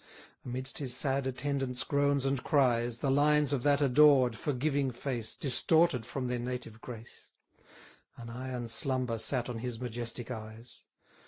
Amidst his sad attendants' groans and cries, The lines of that adored, forgiving face, Distorted from their native grace; An iron slumber sat on his majestic eyes.